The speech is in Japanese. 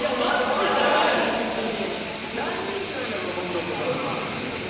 大人気なんだからコムドットさん。